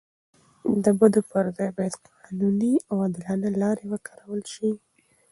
د بدو پر ځای باید قانوني او عادلانه لارې وکارول سي.